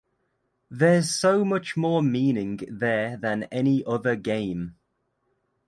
There’s so much more meaning there than any other game.